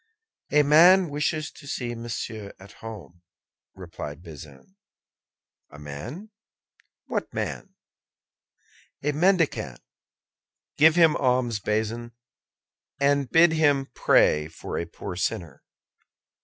"A man wishes to see Monsieur at home," replied Bazin. "A man! What man?" "A mendicant." "Give him alms, Bazin, and bid him pray for a poor sinner."